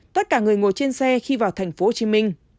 tất cả người ngồi trên xe khi vào tp hcm